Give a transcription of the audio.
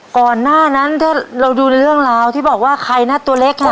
ก่อนหน้านั้นถ้าเราดูเรื่องราวที่บอกว่าใครนะตัวเล็กอ่ะ